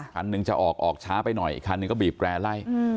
คันหนึ่งจะออกช้าไปหน่อยเพียงอีกคันนึงก็บีบแกร่ไล้